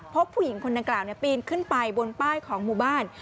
ผู้หญิงคนดังกล่าวปีนขึ้นไปบนป้ายของหมู่บ้าน